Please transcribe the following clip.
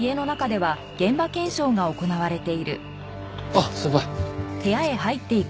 あっ先輩。